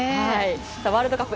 ワールドカップ